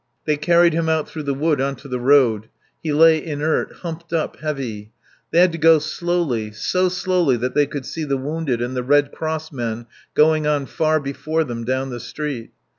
They carried him out through the wood on to the road. He lay inert, humped up, heavy. They had to go slowly, so slowly that they could see the wounded and the Red Cross men going on far before them, down the street.